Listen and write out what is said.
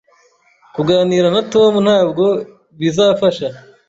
Kuganira na Tom ntabwo bizafasha.